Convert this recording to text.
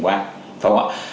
phải không ạ